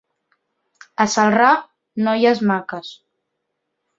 A Celrà, noies maques.